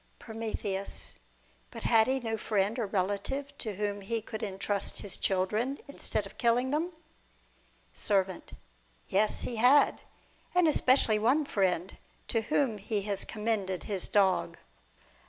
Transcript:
From. But had he no friend or relative to whom he could entrust his children instead of killing them ? Servant. Yes, he had; and especially one friend, to whom he has commended his dog.